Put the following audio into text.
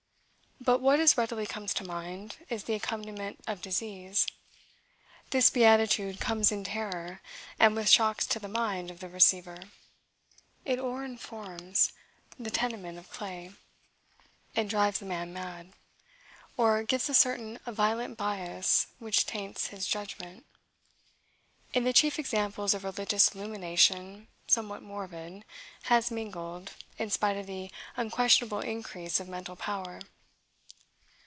But what as readily comes to mind, is the accompaniment of disease. This beatitude comes in terror, and with shocks to the mind of the receiver. "It o'erinforms the tenement of clay," and drives the man mad; or, gives a certain violent bias, which taints his judgment. In the chief examples of religious illumination, somewhat morbid, has mingled, in spite of the unquestionable increase of mental power.